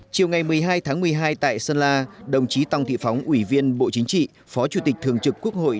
chiều ngày một mươi hai tháng một mươi hai tại sơn la đồng chí tòng thị phóng ủy viên bộ chính trị phó chủ tịch thường trực quốc hội